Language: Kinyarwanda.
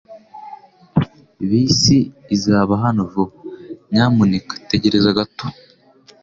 Bisi izaba hano vuba. Nyamuneka tegereza gato.